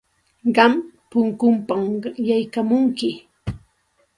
Qam punkunpam yaykamunki.